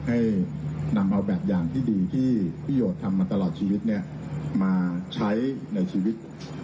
ให้นำเอาแบบอย่างที่ดีที่พี่โยชน์ทำมาตลอดชีวิตมาใช้ในชีวิต